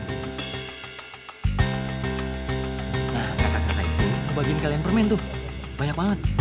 nah kakak kakak itu tuh bagiin kalian permen tuh banyak banget